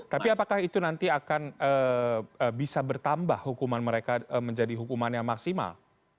tapi apakah itu nanti akan bisa bertambah hukuman mereka menjadi hukuman yang maksimal